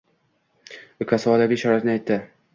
Ukasi oilaviy sharoitini aytdi.